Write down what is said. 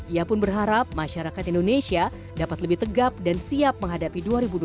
ia pun berharap masyarakat indonesia dapat lebih tegap dan siap menghadapi dua ribu dua puluh